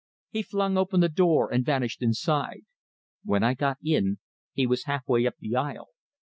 He flung open the door and vanished inside; when I got in, he was half way up the aisle.